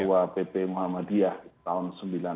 ketua pp muhammadiyah tahun seribu sembilan ratus sembilan puluh